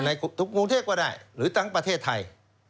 ในทุกกรุงเทพก็ได้หรือทั้งประเทศไทย